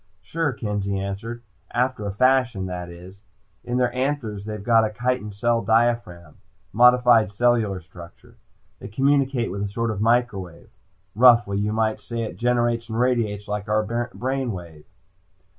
"Sure," Kenzie answered. "After a fashion, that is. In their anthers they've got a chitin cell diaphragm. Modified cellular structure. They communicate with a sort of microwave. Roughly you might say it generates and radiates like our brain wave.